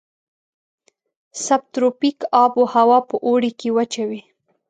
سب تروپیک آب هوا په اوړي کې وچه وي.